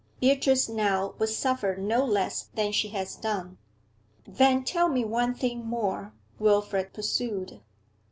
'Beatrice now would suffer no less than she has done.' 'Then tell me one thing more,' Wilfrid pursued.